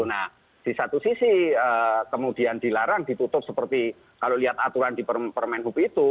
nah di satu sisi kemudian dilarang ditutup seperti kalau lihat aturan di permen hub itu